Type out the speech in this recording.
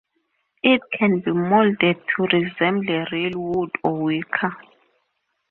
It can be moulded to resemble real wood or wicker.